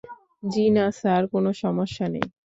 জ্বি-না sir, কোনো সমস্যা নেই।